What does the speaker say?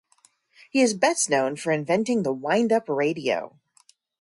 He is best known for inventing the wind-up radio.